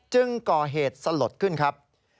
จึงก่อเหตุสลดขึ้นครับ